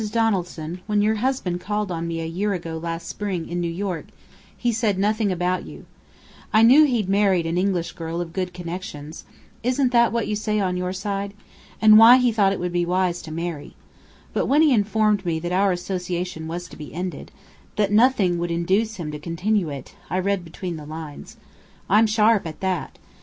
Donaldson, when your husband called on me a year ago last spring, in New York, he said nothing about you. I knew he'd married an English girl of good connections (isn't that what you say on your side?), and why he thought it would be wise to marry. But when he informed me that our association was to be ended, that nothing would induce him to continue it, I read between the lines. I'm sharp at that!